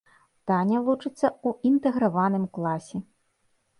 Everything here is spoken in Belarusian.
Таня вучыцца ў інтэграваным класе.